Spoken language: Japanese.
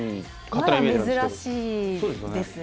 まだめずらしいですね。